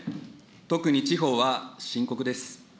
特に地方は深刻です。